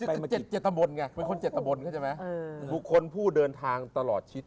ไปเกือบกับคนเจตบนพูดเรียกว่าบุคคลพูดเดินทางตลอดชิด